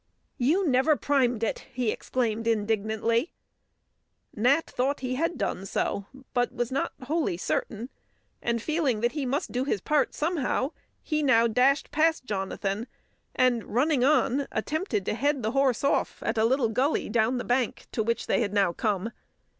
"You never primed it!" he exclaimed indignantly. Nat thought that he had done so, but was not wholly certain; and feeling that he must do his part somehow, he now dashed past Jonathan, and running on, attempted to head the horse off at a little gully down the bank to which they had now come.